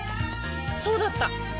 そうだった！